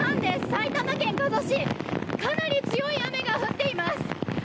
埼玉県加須市かなり強い雨が降っています。